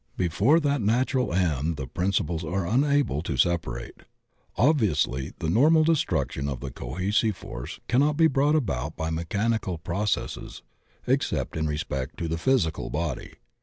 Before that nat ural end the principles are unable to separate. Ob viously the normal destruction of the cohesive force cannot be brought about by mechanical processes ex cept in respect to the physical body.